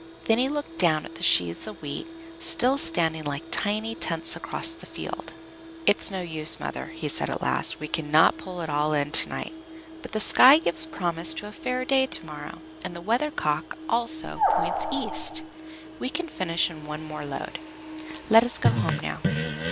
Then he looked down at the sheaves of wheat, still standing like tiny tents across the field. "It's no use, Mother," he said at last; "we cannot put it all in to night, but the sky gives promise of a fair day to morrow, and the weather cock, also, points east. We can finish in one more load; let us go home now."